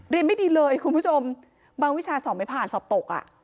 ไม่ดีเลยคุณผู้ชมบางวิชาสอบไม่ผ่านสอบตกอ่ะ